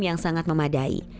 yang sangat memadai